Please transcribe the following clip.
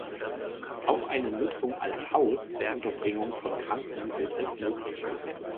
Auch eine Nutzung als Haus zur Unterbringung von Kranken gilt als möglich.